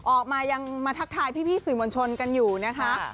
ออกมายังมาทักทายพี่สื่อมวลชนกันอยู่นะคะ